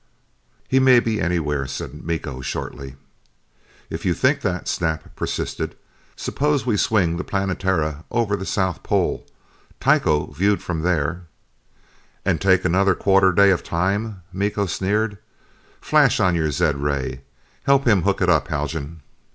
"He may be anywhere," said Miko shortly. "If you think that," Snap persisted, "suppose we swing the Planetara over the South Pole. Tycho, viewed from there " "And take another quarter day of time?" Miko sneered. "Flash on your zed ray; help him hook it up, Haljan."